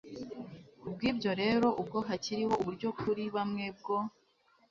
Ku bw ibyo rero ubwo hakiriho uburyo kuri bamwe bwo